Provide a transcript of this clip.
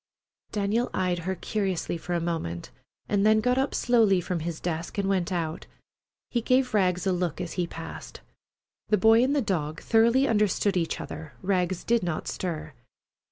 Daniel eyed her curiously for a moment, and then got up slowly from his desk and went out. He gave Rags a look as he passed. The boy and the dog thoroughly understood each other. Rags did not stir.